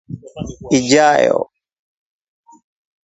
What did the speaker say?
ijayo